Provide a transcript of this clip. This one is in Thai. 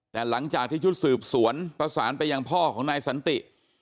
แต่หลังจากที่ชุดสืบสวนประสานไปยังพ่อของนายสันติ